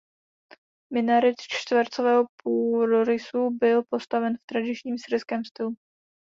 Minaret čtvercového půdorysu byl postaven v tradičním syrském stylu.